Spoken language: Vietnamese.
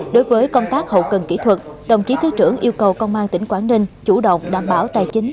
đối với công tác hậu cần kỹ thuật đồng chí thứ trưởng yêu cầu công an tỉnh quảng ninh chủ động đảm bảo tài chính